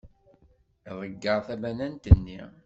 Iḍegger tabanant-nni.